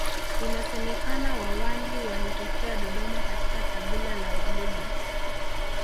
Inasemekana Wawanji walitokea Dodoma katika kabila la Wagogo